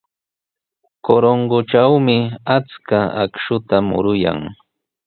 Corongotrawmi achka akshuta muruyan.